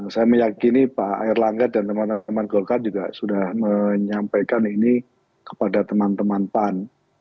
saya meyakini pak erlangga dan teman teman golkar juga sudah menyampaikan ini kepada teman teman pan